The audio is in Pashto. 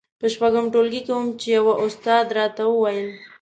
په شپږم ټولګي کې وم چې يوه استاد راته وويل.